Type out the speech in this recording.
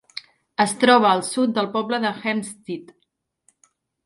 Es troba al sud del poble de Hempstead.